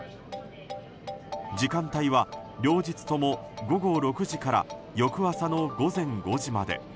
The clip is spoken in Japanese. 時間帯は、両日とも午後６時から翌朝の午前５時まで。